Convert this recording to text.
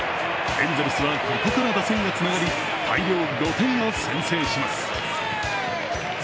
エンゼルスはここから打線がつながり大量５点を先制します。